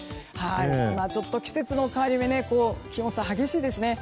ちょっと季節の変わり目で気温差が激しいですね。